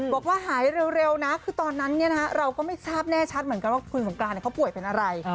บอกว่าหายเร็วนะคือตอนนั้นเราก็ไม่ทราบแน่ชัดเหมือนกันว่าคุณสงกรานเขาป่วยเป็นอะไร